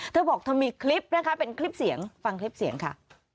เธอบอกเธอมีคลิปนะคะเป็นคลิปเสียงฟังคลิปเสียงค่ะ